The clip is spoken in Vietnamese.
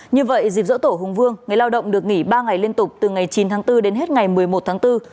như vậy dịp dỗ tổ hùng vương người lao động được nghỉ ba ngày liên tục từ ngày chín tháng bốn đến hết ngày một mươi một tháng bốn